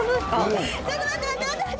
ちょっと待って、待って。